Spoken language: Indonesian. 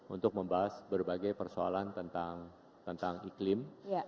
untuk membahas berbagai persoalan tentang iklim